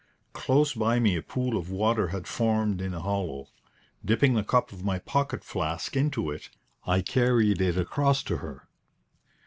Close by me a pool of water had formed in a hollow. Dipping the cup of my pocket flask into it, I carried it across to her.